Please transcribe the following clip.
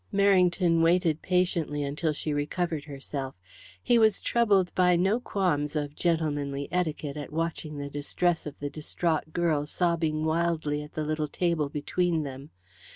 Merrington waited patiently until she recovered herself. He was troubled by no qualms of gentlemanly etiquette at watching the distress of the distraught girl sobbing wildly at the little table between them.